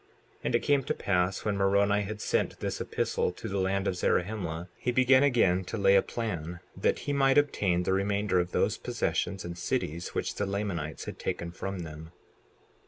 59:4 And it came to pass when Moroni had sent this epistle to the land of Zarahemla, he began again to lay a plan that he might obtain the remainder of those possessions and cities which the Lamanites had taken from them.